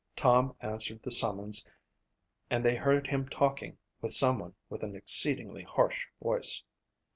Tom answered the summons and they heard him talking with someone with an exceedingly harsh voice.